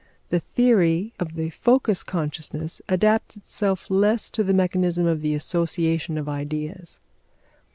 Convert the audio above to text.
The theory of the focus consciousness adapts itself less to the mechanism of the association of ideas.